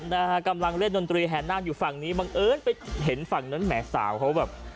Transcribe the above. นะฮะกำลังเล่นดนตรีแห่นาคอยู่ฝั่งนี้บังเอิญไปเห็นฝั่งนั้นแหมสาวเขาแบบ